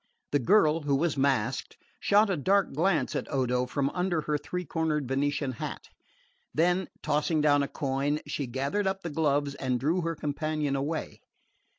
The girl, who was masked, shot a dark glance at Odo from under her three cornered Venetian hat; then, tossing down a coin, she gathered up the gloves and drew her companion away.